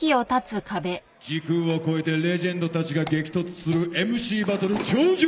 時空を超えてレジェンドたちが激突するＭＣバトル頂上決戦。